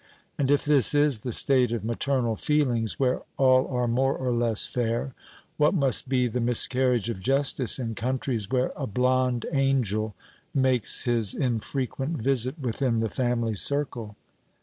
And if this is the state of maternal feelings where all are more or less fair, what must be the miscarriage of justice in countries where a blond angel makes his infrequent visit within the family circle?